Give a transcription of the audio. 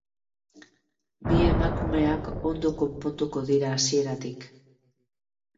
Bi emakumeak ondo konponduko dira hasieratik.